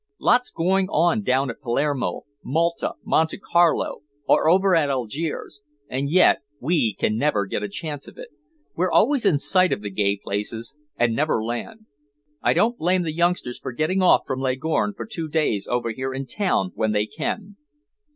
Lots going on down at Palermo, Malta, Monte Carlo, or over at Algiers, and yet we can never get a chance of it. We're always in sight of the gay places, and never land. I don't blame the youngsters for getting off from Leghorn for two days over here in town when they can.